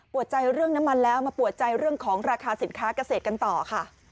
ใจเรื่องน้ำมันแล้วมาปวดใจเรื่องของราคาสินค้าเกษตรกันต่อค่ะ